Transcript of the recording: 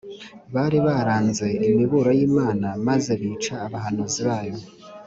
bari baranze imiburo y’imana maze bica abahanuzi bayo